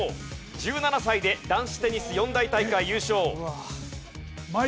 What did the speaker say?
１７歳で男子テニス四大大会優勝。